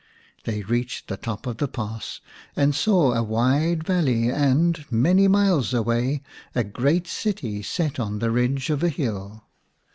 They reached the top of the pass, and saw a wide valley and, many miles away, a great city set on the ridge of a hill.